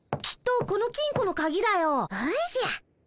きっとこの金庫のカギだよ。